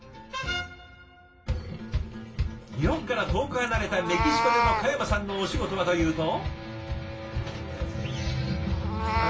日本から遠く離れたメキシコでの嘉山さんのお仕事はというと。